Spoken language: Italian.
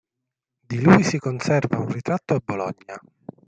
Di lui si conserva un ritratto a Bologna.